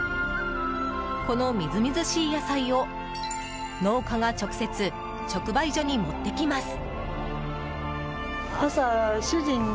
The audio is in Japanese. このみずみずしい野菜を農家が直接直売所に持ってきます。